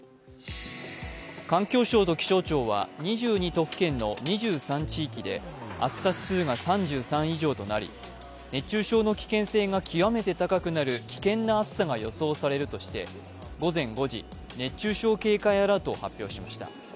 環境省と気象庁は２２都府県の２３地域に暑さ指数が３３以上となり熱中症の危険性が極めて高くなる危険な暑さが予想されるとして午前５時、熱中症警戒アラートを発表しました。